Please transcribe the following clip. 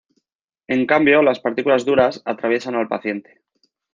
En cambio, las partículas duras atraviesan al paciente.